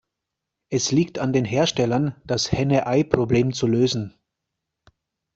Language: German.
Es liegt an den Herstellern, das Henne-Ei-Problem zu lösen.